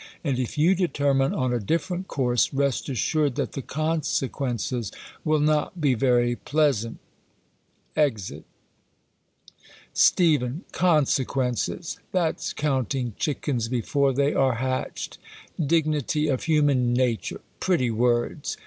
And if you determine on a different course, rest assured, that the consequences will not be very ])leasant. [Exit. Steph, Consequences ! that's counting chickens be fore they are hatched. Dignity of human nature ! Pretty v/ords